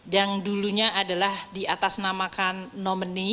yang dulunya adalah diatasnamakan nomeny